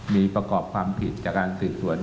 มีประกอบความผิดจากการสืบสวน